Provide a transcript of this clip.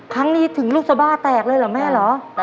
ครั้งนี้ถึงลูกสบาแตกเลยเหรอแม่เหรอ